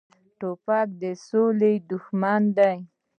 توپک د سولې دښمن دی.